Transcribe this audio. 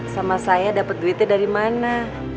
sama saya dapat duitnya dari mana